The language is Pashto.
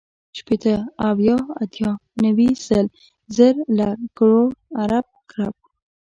شپېته، اويا، اتيا، نيوي، سل، زر، لک، کروړ، ارب، کرب